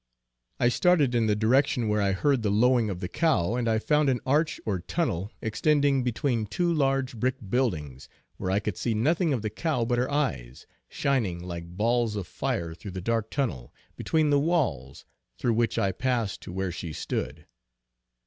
I started in the direction where I heard the lowing of the cow, and I found an arch or tunnel extending between two large brick buildings, where I could see nothing of the cow but her eyes, shining like balls of fire through the dark tunnel, between the walls, through which I passed to where she stood.